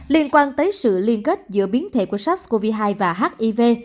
liên quan tới sự liên kết giữa biến thể của sars cov hai và hiv